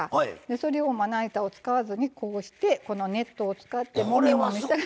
それをまな板を使わずにこうしてこのネットを使ってもみもみしたら。